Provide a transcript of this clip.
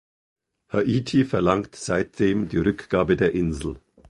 Haiti verlangt seitdem die Rückgabe der Insel.